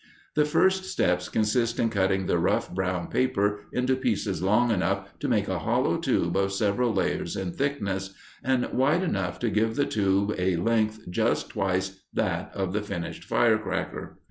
The first step consists in cutting the rough brown paper into pieces long enough to make a hollow tube of several layers in thickness, and wide enough to give the tube a length just twice that of the finished cracker.